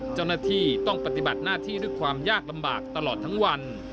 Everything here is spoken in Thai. เจ้าหน้าที่ต้องปฏิบัติหน้าที่ด้วยความยากลำบากตลอดทั้งวัน